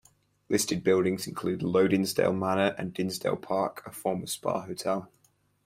Listed buildings include Low Dinsdale Manor and Dinsdale Park a former Spa hotel.